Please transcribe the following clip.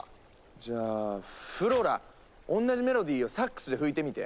じゃあフローラ同じメロディーをサックスで吹いてみて。